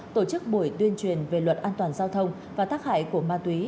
tổ chức buổi tuyên truyền về luật an toàn giao thông và thác hải của ma túy